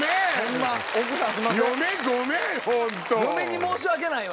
嫁に申し訳ないわ！